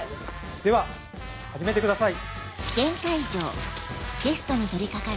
では始めてください。